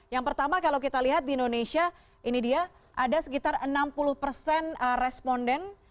yang pertama kalau kita lihat di indonesia ini dia ada sekitar enam puluh persen responden